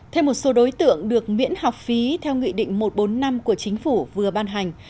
thêm một số đối tượng được miễn học phí theo nghị định một trăm bốn mươi năm của chính phủ vừa ban hành